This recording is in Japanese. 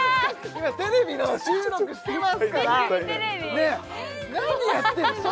今テレビの収録してますから何やってる？